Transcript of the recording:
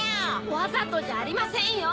わざとじゃありませんよ！